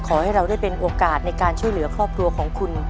ขอให้เราได้เป็นโอกาสในการช่วยเหลือครอบครัวของคุณ